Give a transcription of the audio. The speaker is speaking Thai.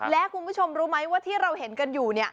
และคุณผู้ชมรู้ไหมว่าที่เราเห็นกันอยู่